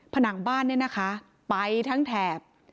ผนังบ้านเนี่ยนะคะไปทั้งแถบ